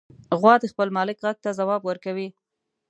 غوا د خپل مالک غږ ته ځواب ورکوي.